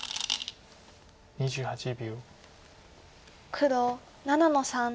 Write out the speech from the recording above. ２８秒。